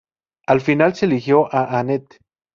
Al final se eligió a Anette.